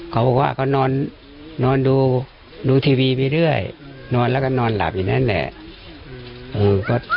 เขาบอกว่าเขานอนดูทีวีไปเรื่อยนอนแล้วก็นอนหลับอยู่นั่นแหละ